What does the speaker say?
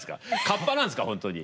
カッパなんですか本当に。